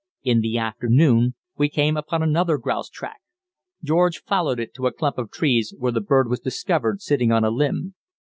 In the afternoon we came upon another grouse track. George followed it to a clump of trees, where the bird was discovered sitting on a limb.